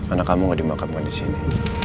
anak kamu gak dimakamkan disini